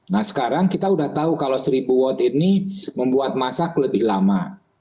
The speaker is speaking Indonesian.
nah sekarang kita sudah tahu kalau seribu watt ini membuat masak lebih lama